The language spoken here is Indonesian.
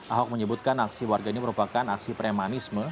ahok menyebutkan aksi warga ini merupakan aksi premanisme